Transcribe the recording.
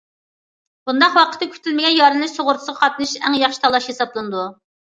بۇنداق ۋاقىتتا كۈتۈلمىگەن يارىلىنىش سۇغۇرتىسىغا قاتنىشىش ئەڭ ياخشى تاللاش ھېسابلىنىدۇ.